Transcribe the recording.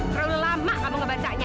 terlalu lama kamu ngebacanya